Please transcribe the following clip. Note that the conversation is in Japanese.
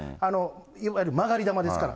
いわゆる曲がり球ですから。